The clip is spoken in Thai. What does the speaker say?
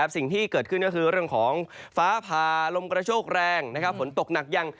สิ่งที่เกิดขึ้นก็คือเรื่องของฟ้าผ่าลมกระโชกแรงฝนตกหนักยัง